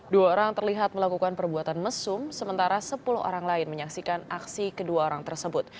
dua orang terlihat melakukan perbuatan mesum sementara sepuluh orang lain menyaksikan aksi kedua orang tersebut